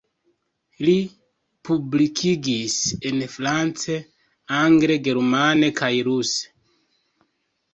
Li publikigis en france, angle, germane kaj ruse.